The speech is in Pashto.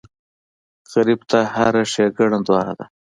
غریب ته هره ښېګڼه دعا ده